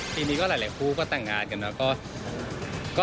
ทีนี้ก็หลายผู้ก็แต่งงานกันแล้วก็